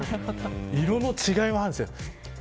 色の違いはあるんですよ。